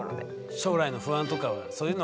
将来の不安とかはそういうのは考えない。